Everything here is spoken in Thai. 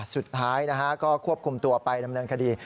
สุดท้ายก็ควบคุมตัวไปดำเนินคดี